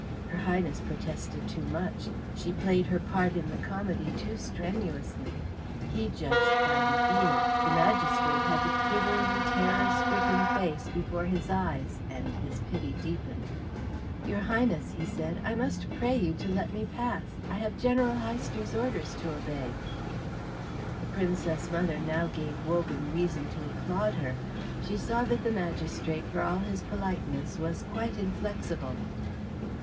Her Highness protested too much; she played her part in the comedy too strenuously. He judged by the ear; the magistrate had the quivering, terror stricken face before his eyes, and his pity deepened. "Your Highness," he said, "I must pray you to let me pass. I have General Heister's orders to obey." The Princess mother now gave Wogan reason to applaud her. She saw that the magistrate, for all his politeness, was quite inflexible.